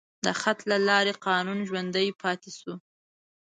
د خط له لارې قانون ژوندی پاتې شو.